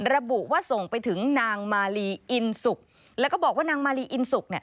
ระบุว่าส่งไปถึงนางมาลีอินสุกแล้วก็บอกว่านางมาลีอินสุกเนี่ย